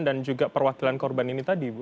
dan juga perwakilan korban ini tadi bu